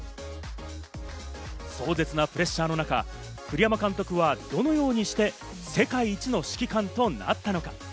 壮絶なプレッシャーの中、栗山監督はどのようにして、世界一の指揮官となったのか？